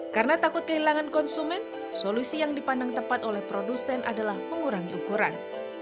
karena takut kehilangan konsumen solusi yang dipandang tepat oleh produsen adalah mengurangi ukuran